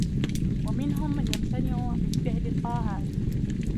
وَمِنْهُمْ مَنْ يَمْتَنِعُ مِنْ فِعْلِ الطَّاعَاتِ